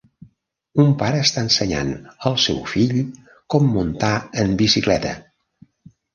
Un pare està ensenyant al seu fill com muntar en bicicleta.